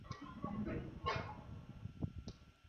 Qunt va zo‘r hafsala bilan uyg‘oq vulqonlarni tozalay boshladi.